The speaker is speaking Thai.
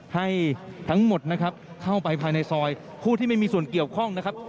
ให้ทั้งหมดนะครับเข้าไปภายในซอยผู้ที่ไม่มีส่วนเกี่ยวข้องนะครับ